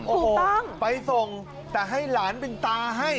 โอ้โหไปส่งแต่ให้หลานเป็นตาให้